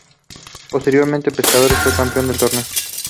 Posteriormente Pescadores fue campeón del torneo.